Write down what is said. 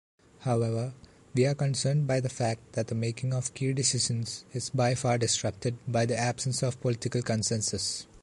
However, we are concerned by the fact that the making of key decisions is by far disrupted by the absence of political consensus.